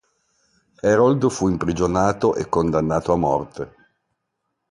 Herold fu imprigionato e condannato a morte.